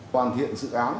hoàn thiện dự án